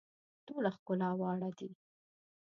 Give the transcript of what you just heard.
ټوله ښکلا واړه دي.